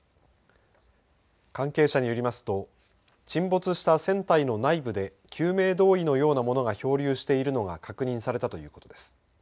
関係者によりますと沈没した船体の内部で救命胴衣のようなものが漂流しているのが確認されたということです。